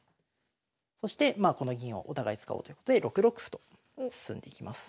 そしてまあこの銀をお互い使おうということで６六歩と進んでいきます。